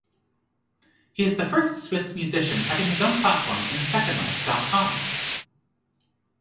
He is the first Swiss musician having his own platform in SecondLife dot com.